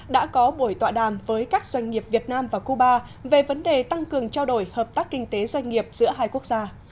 đã có buổi tọa đàm với các doanh nghiệp việt nam và cuba về vấn đề tăng cường trao đổi hợp tác kinh tế doanh nghiệp giữa hai quốc gia